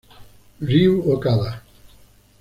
Ryū Okada